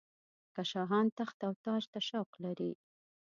که شاهان تخت او تاج ته شوق لري.